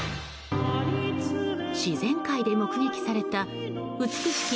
自然界で目撃された美しき